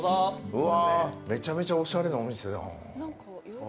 うわあ、めちゃめちゃおしゃれなお店だなあ。